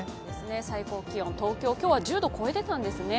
最高気温、東京、今日は１０度超えていたんですね